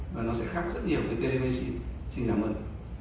và nó sẽ khác rất nhiều với tê lê mê xin xin cảm ơn